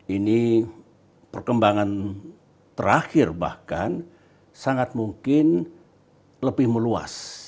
ini perkembangan terakhir bahkan sangat mungkin lebih meluas